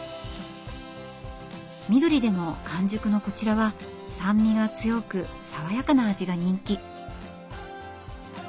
緑でも完熟のこちらは酸味が強く爽やかな味が人気。